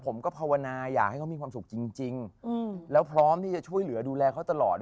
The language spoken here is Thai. ภาวนาอยากให้เขามีความสุขจริงแล้วพร้อมที่จะช่วยเหลือดูแลเขาตลอด